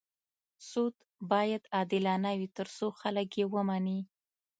سود باید عادلانه وي تر څو خلک یې ومني.